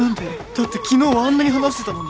だって昨日はあんなに話してたのに。